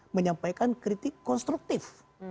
menyampaikan kritik konstruktif